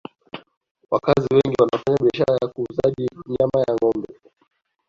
wakazi wengi wanafanya biashara ya kuuzaji nyama ya ngombe